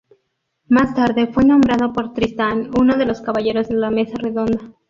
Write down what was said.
Más tarde fue nombrado por Tristán, uno de los caballeros de la Mesa Redonda.